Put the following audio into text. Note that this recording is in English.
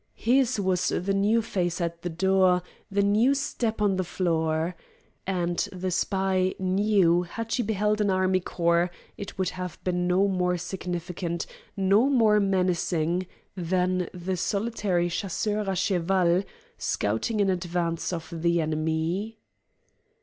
His was the new face at the door, the new step on the floor. And the spy knew had she beheld an army corps it would have been no more significant, no more menacing, than the solitary chasseur à cheval scouting in advance of the enemy.